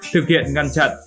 thực hiện ngăn chặn